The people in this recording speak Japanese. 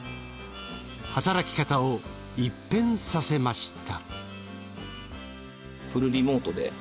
働き方を一変させました。